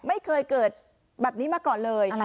ไม่เคยเกิดเหมือนนี้มาก่อนเลย